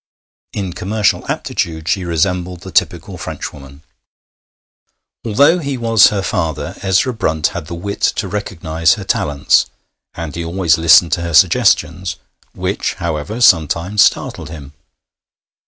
In commercial aptitude she resembled the typical Frenchwoman. Although he was her father, Ezra Brunt had the wit to recognise her talents, and he always listened to her suggestions, which, however, sometimes startled him.